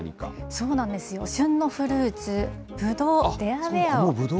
そうなんですよ、旬のフルーツ、ブドウ、デラウェアを。